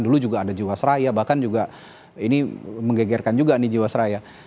dulu juga ada jiwasraya bahkan juga ini menggegerkan juga nih jiwasraya